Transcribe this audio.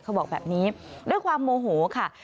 เขาบอกแบบนี้ด้วยความโมโหค่ะ